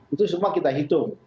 itu semua kita hitung